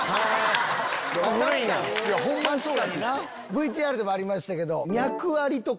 ＶＴＲでもありましたけど脈ありとか。